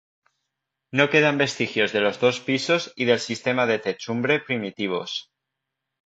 No quedan vestigios de los dos pisos y del sistema de techumbre primitivos.